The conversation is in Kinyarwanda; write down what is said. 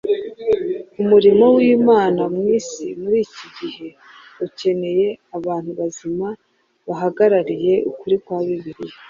Umurimo w’Imana mu isi muri iki gihe ukeneye abantu bazima bahagarariye ukuri kwa Bibiliya.